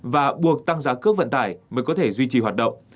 và buộc tăng giá cước vận tải mới có thể duy trì hoạt động